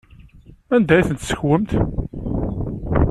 Anda ay ten-tessekwemt?